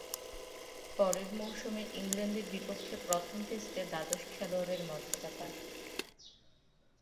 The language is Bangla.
পরের মৌসুমে ইংল্যান্ডের বিপক্ষে প্রথম টেস্টে দ্বাদশ খেলোয়াড়ের মর্যাদা পান।